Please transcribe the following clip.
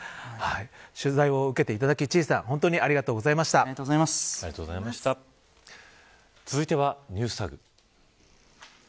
取材を受けていただいたチーさん続いてはＮｅｗｓＴａｇ。